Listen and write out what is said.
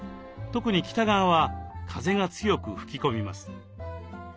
特に北側は風が強く吹き込みます。